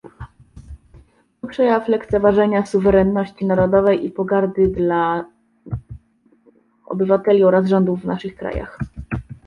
To przejaw lekceważenia suwerenności narodowej i pogardy dla obywateli oraz rządów w naszych krajach